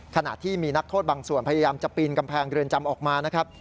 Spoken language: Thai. ขณะที่มีนักโทษบางส่วนพยายามจะปีนกำแพงเรือนจำออกมานะครับ